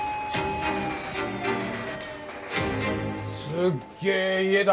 すっげえ家だな！